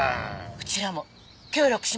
うちらも協力しますよ。